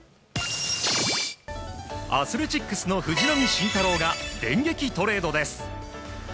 アスレチックスの藤浪晋太郎が電撃トレードです。